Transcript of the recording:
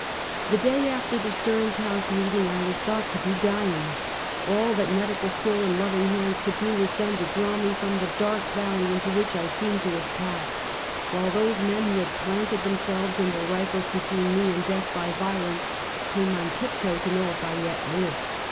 The day after the Stearns House meeting, I was thought to be dying. All that medical skill and lov ing hands could do was done to draw me from the dark valley into which I seemed to have passed; wh.ile those men who had planted themselves and their rifles between me and death by violence, came on tip toe to know if I yet lived.